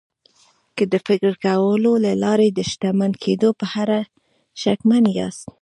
که د فکر کولو له لارې د شتمن کېدو په اړه شکمن ياست.